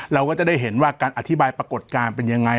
เราก็จะได้เห็นว่าการอธิบายปรากฏการณ์เป็นยังไง